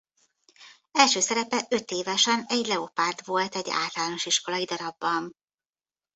Első szerepe ötévesen egy leopárd volt egy általános iskolai darabban.